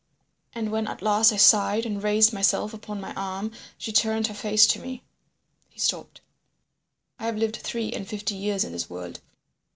And when at last I sighed and raised myself upon my arm she turned her face to me—" He stopped. "I have lived three and fifty years in this world.